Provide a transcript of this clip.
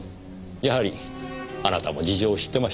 やはりあなたも事情を知ってましたか。